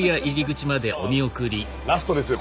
さあラストですよ